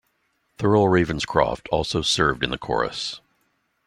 Thurl Ravenscroft also served in the chorus.